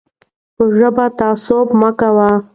په ژبه تعصب مه کوئ.